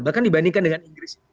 bahkan dibandingkan dengan inggris